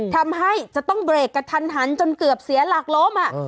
ทำให้จะต้องเบรกกระทันหันจนเกือบเสียหลักล้ม